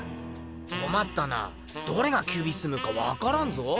こまったなどれがキュビスムかわからんぞ。